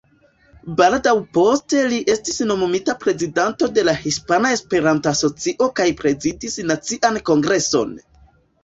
Baldaŭ poste li estis nomumita prezidanto de Hispana Esperanto-Asocio kaj prezidis nacian Kongreson.